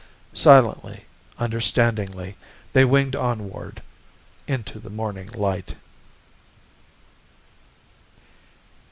Silently, understandingly, they winged onward into the morning light.